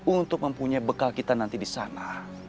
untuk mempunyai bekal kita nanti disana